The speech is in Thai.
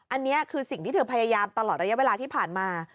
อันนี้คือสิ่งที่เธอพยายามตลอดระยะเวลาที่ผ่านมา